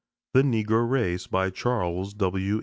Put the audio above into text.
THE NEGRO RACE CHARLES W.